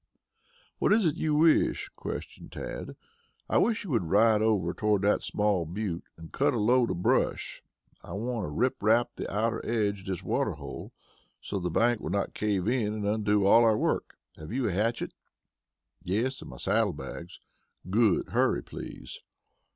"What is it you wish?" questioned Tad. "I wish you would ride over toward that small butte and cut a load of brush. Want to rip rap the outer edge of this water hole, so the bank will not cave in and undo all our work! Have you a hatchet?" "Yes, in my saddlebags." "Good. Hurry, please."